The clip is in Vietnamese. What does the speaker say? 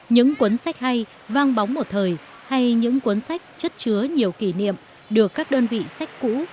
những cuốn sách hay vang bóng một thời hay những cuốn sách chất chứa nhiều kỷ niệm được các đơn vị sách cũ